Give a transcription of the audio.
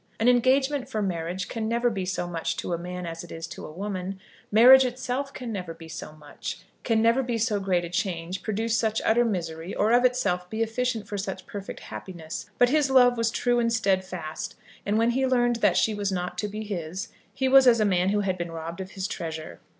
An engagement for marriage can never be so much to a man as it is to a woman, marriage itself can never be so much, can never be so great a change, produce such utter misery, or of itself be efficient for such perfect happiness, but his love was true and steadfast, and when he learned that she was not to be his, he was as a man who had been robbed of his treasure.